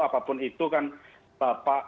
apapun itu kan bapak